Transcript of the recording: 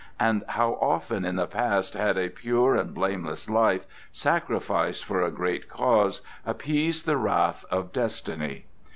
And how often in the past had a pure and blameless life sacrificed for a great cause appeased the wrath of Destiny!